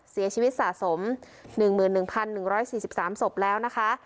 เสียชีวิตสะสม๑๑๑๔๓ศพแล้วนะคะ